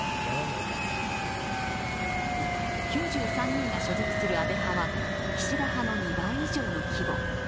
９３人が所属する安倍派は岸田派の２倍以上の規模。